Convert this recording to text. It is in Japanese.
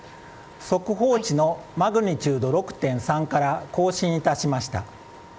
速報値のマグニチュード６．３から更新いたしました。